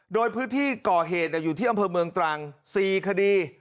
โดยพื้นที่ก่อเหตุอยู่ที่อำเภอเมืองตรัง๔คดี